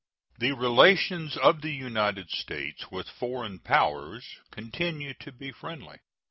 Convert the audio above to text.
The relations of the United States with foreign powers continue to be friendly.